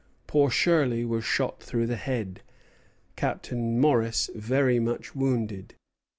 Poor Shirley was shot through the head, Captain Morris very much wounded.